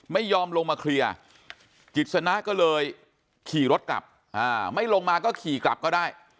ไม่ยอมลงมาเคลียร์กิจสนะก็เลยขี่รถกลับไม่ลงมาก็ขี่กลับก็ได้